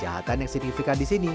cara untuk mencari pemancing pertukaran